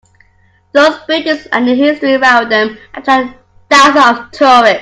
Those buildings and the history around them attract thousands of tourists.